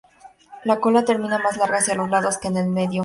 La cola termina más larga hacia los lados que en el medio.